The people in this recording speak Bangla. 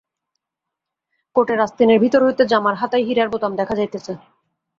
কোটের আস্তিনের ভিতর হইতে জামার হাতায় হীরার বোতাম দেখা যাইতেছে।